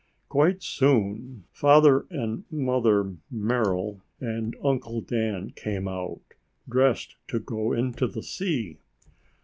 Quite soon, Father and Mother Merrill and Uncle Dan came out, dressed to go into the sea.